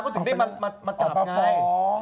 เขาถึงได้มาจับไง